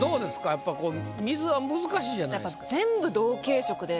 やっぱ水は難しいじゃないですか。